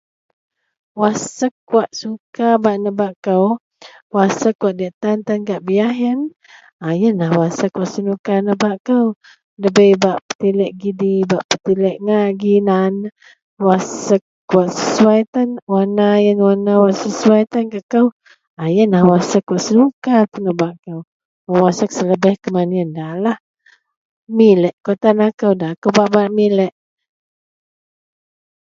Wasiek wak suka bak nebak kou wasiek wak diyak tan gak biyaih iyenlah wasiek senuka nebak kou debei bak petilek gidi bak petilek ginan waksiek wak sesuwai tan warna-warna iyen warna wak sesuwai gak kou iyenlah wasiek wak senuka wasiek selebaih iyen nda lah milek kawak tan akou nda kawak nda bak memilek.